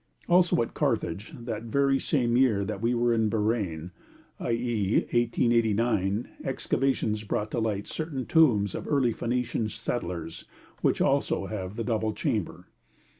Also at Carthage, that very same year that we were in Bahrein, i.e. 1889, excavations brought to light certain tombs of the early Phoenician settlers which also have the double chamber.